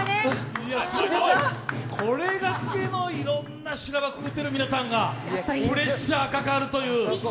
これだけのいろんな修羅場くぐってきた皆さんがプレッシャーかかるという。